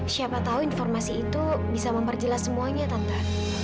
siapa tahu informasi itu bisa memperjelas semuanya tanpa